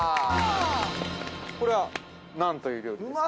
これは何という料理ですか？